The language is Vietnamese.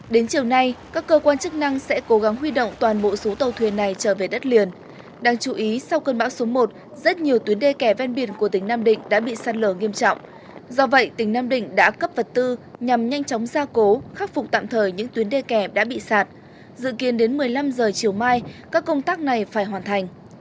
đến chiều nay các cơ quan chức năng sẽ cố gắng huy động toàn bộ số tàu thuyền này trở về đất liền đáng chú ý sau cơn bão số một rất nhiều tuyến đê kẻ ven biển của tỉnh nam định đã bị sát lở nghiêm trọng do vậy tỉnh nam định đã cấp vật tư nhằm nhanh chóng ra cố khắc phục tạm thời những tuyến đê kẻ đã bị sạt dự kiến đến một mươi năm h chiều mai các công tác này phải hoàn thành